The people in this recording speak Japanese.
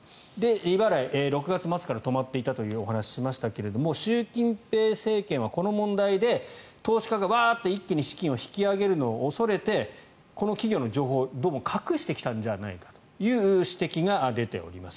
利払い６月末から止まっていたという話をしましたが習近平政権は、この問題で投資家がワーッと、一気に資金を引き上げるのを恐れてこの企業の情報をどうも隠してきたんじゃないかという指摘が出ております。